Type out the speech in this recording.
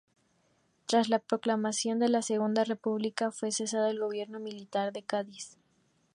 Tras la proclamación de la Segunda República, fue cesado del Gobierno Militar de Cádiz.